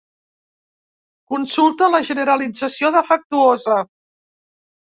Consulta la generalització defectuosa.